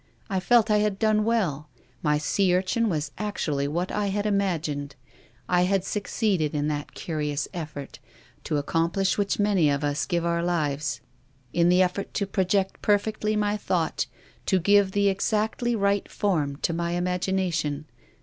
I felt I had done well; my sea urchin was actually what I had imagined. I had succeeded in that curious effort — to accomplish which many of us give our lives — in the effort to project perfectly my thought, to give the exactly right form to my imagination.